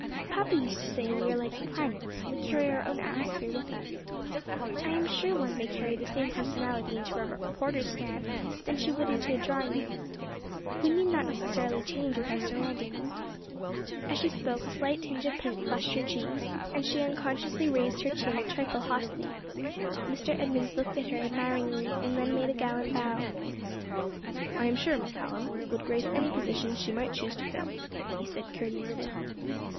Papa used to say we are like the planets; we carry our own atmosphere with us. I am sure one may carry the same personality into a reporter's stand that she would into a drawing room. We need not necessarily change with our surroundings." As she spoke, a slight tinge of pink flushed her cheeks, and she unconsciously raised her chin a trifle haughtily. Mr. Edmunds looked at her admiringly, and then made a gallant bow. "I am sure, Miss Hallam would grace any position she might choose to fill," he said courteously.